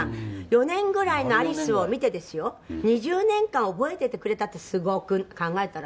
４年ぐらいのアリスを見てですよ２０年間、覚えててくれたってすごく考えたら。